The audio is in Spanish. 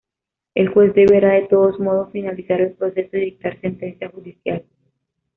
El juez deberá de todos modos finalizar el proceso y dictar sentencia judicial.